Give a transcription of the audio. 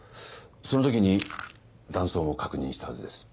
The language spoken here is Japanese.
その時に弾倉も確認したはずです。